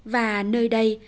và nơi đây